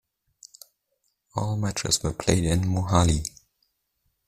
All matches were played in Mohali.